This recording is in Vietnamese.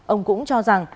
ông cũng cho rằng